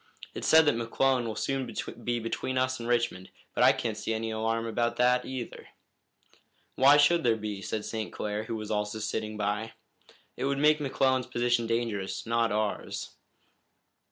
It's said that McClellan will soon be between us and Richmond, but I can't see any alarm about that either." "Why should there be?" said St. Clair, who was also sitting by. "It would make McClellan's position dangerous, not ours."